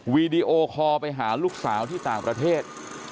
วีดีโอคอลไปหาลูกสาวที่ต่างประเทศ